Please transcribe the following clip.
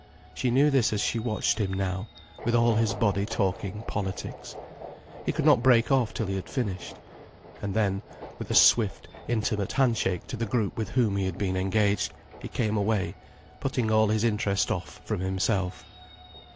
She knew this as she watched him now, with all his body talking politics. He could not break off till he had finished. And then, with a swift, intimate handshake to the group with whom he had been engaged, he came away, putting all his interest off from himself.